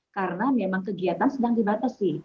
karena memang kegiatan sedang dibatasi